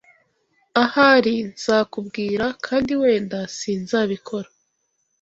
Ahari nzakubwira kandi wenda sinzabikora.